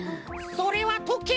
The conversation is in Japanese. それはとけい！